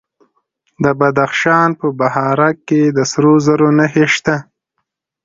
د بدخشان په بهارک کې د سرو زرو نښې شته.